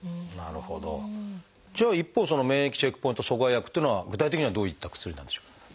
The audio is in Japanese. じゃあ一方免疫チェックポイント阻害薬というのは具体的にはどういった薬なんでしょう？